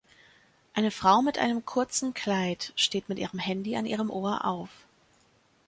Eine Frau mit einem kurzen Kleid steht mit ihrem Handy an ihrem Ohr auf.